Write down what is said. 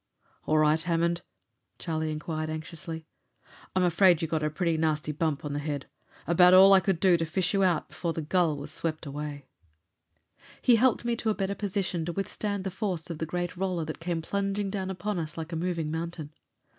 "All right, Hammond?" Charlie inquired anxiously. "I'm afraid you got a pretty nasty bump on the head. About all I could do to fish you out before the Gull was swept away." He helped me to a better position to withstand the force of the great roller that came plunging down upon us like a moving mountain.